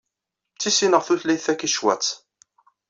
Ttisineɣ tutlayt takičwatt.